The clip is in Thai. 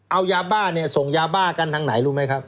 เอายาบ้าเนี่ยส่งยาบ้ากันทางไหนรู้ไหมครับ